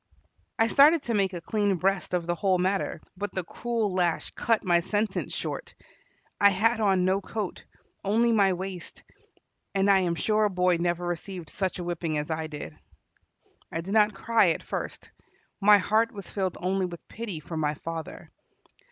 I started to make a clean breast of the whole matter, but the cruel lash cut my sentence short. I had on no coat, only my waist, and I am sure a boy never received such a whipping as I did. I did not cry at first. My heart was filled only with pity for my father.